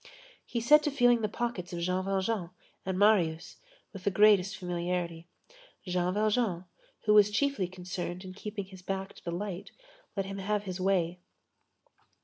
He set to feeling the pockets of Jean Valjean and Marius, with the greatest familiarity. Jean Valjean, who was chiefly concerned in keeping his back to the light, let him have his way.